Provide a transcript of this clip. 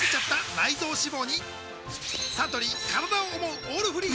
サントリー「からだを想うオールフリー」